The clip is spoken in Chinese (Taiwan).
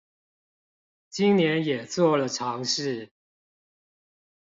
今年也做了嘗試